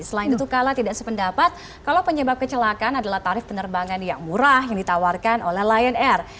selain itu kala tidak sependapat kalau penyebab kecelakaan adalah tarif penerbangan yang murah yang ditawarkan oleh lion air